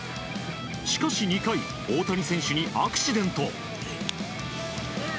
しかし２回大谷選手にアクシデント。